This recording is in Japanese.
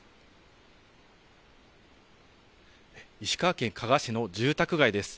石川県加賀市の住宅街です。